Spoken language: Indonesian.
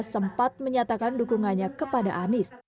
sempat menyatakan dukungannya kepada anies